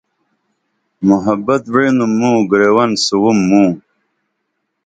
محبت وعینُم موں گریون ایس سُووم موں